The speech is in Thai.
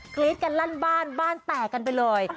รี๊ดกันลั่นบ้านบ้านแตกกันไปเลย